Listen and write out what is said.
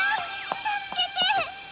たすけて！